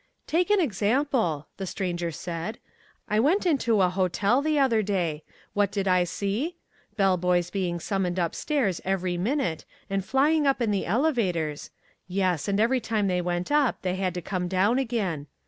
"Take an example," the Stranger continued. "I went into a hotel the other day. What did I see? Bell boys being summoned upstairs every minute, and flying up in the elevators. Yes, and every time they went up they had to come down again.